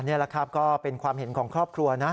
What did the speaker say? นี่แหละครับก็เป็นความเห็นของครอบครัวนะ